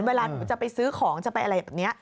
เวลาหนูจะไปซื้อของจะไปอะไรแบบนี้